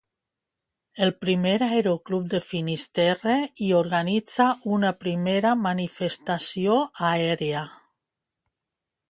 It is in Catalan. El primer aeroclub de Finisterre hi organitza una primera manifestació aèria.